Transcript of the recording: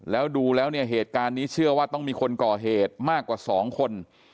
แล้วดูแล้วเนี่ยเหตุการณ์นี้เชื่อว่าต้องมีคนก่อเหตุมากกว่า๒คน